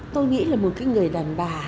tôi nghĩ là một người đàn bà